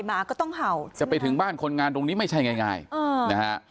หมาก็ต้องเห่าจะไปถึงบ้านคนงานตรงนี้ไม่ใช่ง่ายนะฮะ